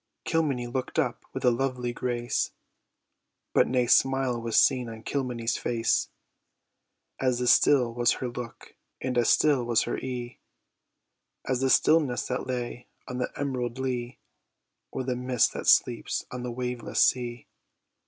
Kilmeny look'd up with a lovely grace, But nae smile was seen on Kilmeny's face; As still was her look, and as still was her ee, As the stillness that lay on the emerald lea, Or the mist that sleeps on a waveless sea.